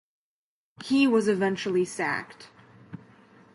He was eventually sacked.